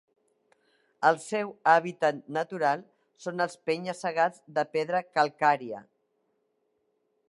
El seu hàbitat natural són els penya-segats de pedra calcària.